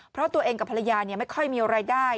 เพราะตัวเองกับภรรยาเนี่ยไม่ค่อยมีอะไรได้